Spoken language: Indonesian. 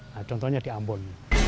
nah contohnya di ambon